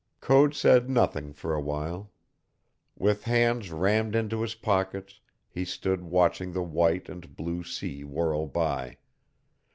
Code said nothing for a while. With hands rammed into his pockets he stood watching the white and blue sea whirl by.